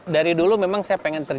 dari dulu memang saya ingin terjun